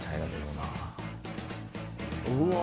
うわ。